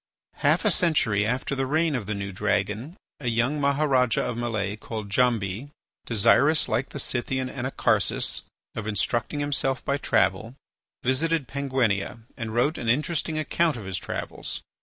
Half a century after the reign of the new dragon a young Maharajah of Malay, called Djambi, desirous, like the Scythian Anacharsis, of instructing himself by travel, visited Penguinia and wrote an interesting account of his travels.